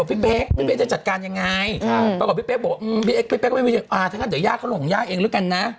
พี่เป๊กพี่เป๊กจะจัดการยังไงค่ะปรากฏพี่เป๊กบอกอืม